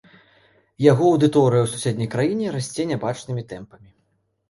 Яго аўдыторыя ў суседняй краіне расце нябачанымі тэмпамі.